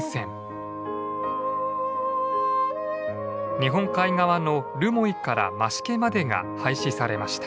日本海側の留萌から増毛までが廃止されました。